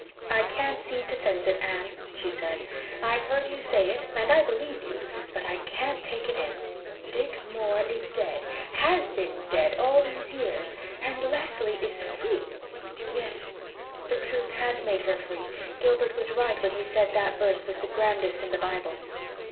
"I can't seem to sense it, Anne," she said. "I've heard you say it and I believe you but I can't take it in. Dick Moore is dead has been dead all these years and Leslie is free?" "Yes. The truth has made her free. Gilbert was right when he said that verse was the grandest in the Bible."